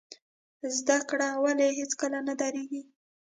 زده کړه ولې هیڅکله نه دریږي؟